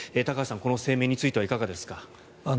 高橋さん、この声明についてはいかがですか？